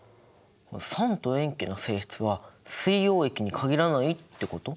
酸と塩基の性質は水溶液に限らないってこと？